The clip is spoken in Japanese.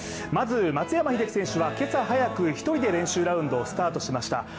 まず松山英樹選手は今朝早く一人で練習ラウンドをスタートしました。